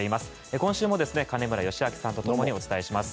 今週も金村義明さんとともにお伝えします。